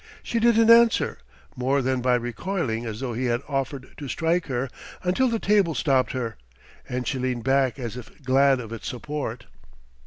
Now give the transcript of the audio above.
She didn't answer, more than by recoiling as though he had offered to strike her, until the table stopped her, and she leaned back as if glad of its support.